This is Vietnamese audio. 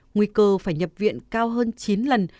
nguy cơ phải nhập viện cao hơn chín lần